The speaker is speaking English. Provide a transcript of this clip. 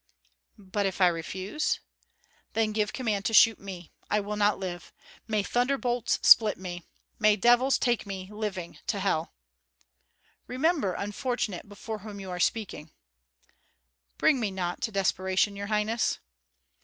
"But if I refuse?" "Then give command to shoot me; I will not live! May thunderbolts split me! May devils take me living to hell!" "Remember, unfortunate, before whom you are speaking." "Bring me not to desperation, your highness."